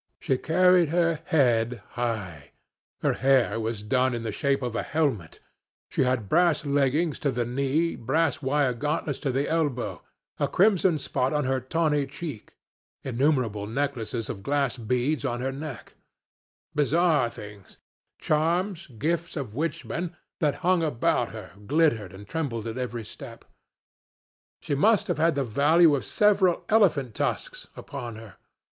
She carried her head high; her hair was done in the shape of a helmet; she had brass leggings to the knee, brass wire gauntlets to the elbow, a crimson spot on her tawny cheek, innumerable necklaces of glass beads on her neck; bizarre things, charms, gifts of witch men, that hung about her, glittered and trembled at every step. She must have had the value of several elephant tusks upon her.